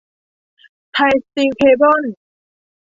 ไทยสตีลเคเบิล